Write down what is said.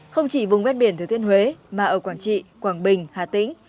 không chỉ vùng ven biển thừa thiên huế mà ở quảng trị quảng bình hà tĩnh